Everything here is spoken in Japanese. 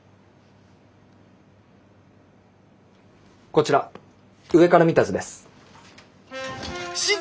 こちら上から見た図です。